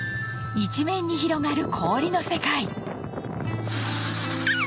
一面に広がる氷の世界